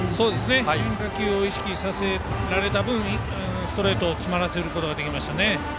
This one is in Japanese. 変化球を意識させられた分ストレートを詰まらせることができましたね。